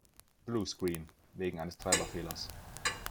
Bluescreen. Wegen eines Treiberfehlers.